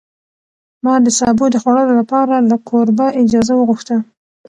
ما د سابو د خوړلو لپاره له کوربه اجازه وغوښته.